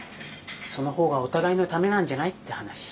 その方がお互いのためなんじゃない？って話。